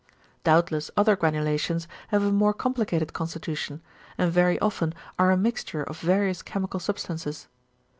Doubtless other granulations have a more complicated constitution, and very often are a mixture of various chemical substances.